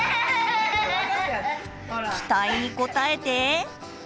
期待に応えて。